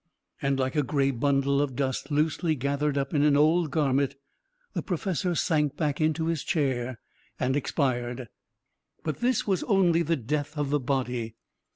And like a grey bundle of dust loosely gathered up in an old garment the professor sank back into his chair and expired. But this was only the death of the body.